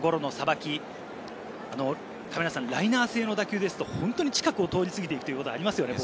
ゴロのさばき、ライナー性の打球だと本当に近くを通り過ぎていくことがありますよね。